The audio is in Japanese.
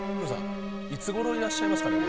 いつ頃いらっしゃいますかね？